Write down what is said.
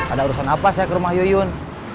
ada urusan apa saya ke rumah yuyun